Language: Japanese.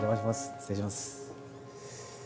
失礼します。